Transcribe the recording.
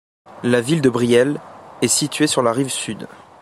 La ville de Brielle est située sur la rive sud.